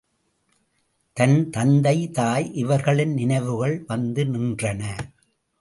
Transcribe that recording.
தன் தந்தை தாய் இவர்களின் நினைவுகள் வந்து நின்றன.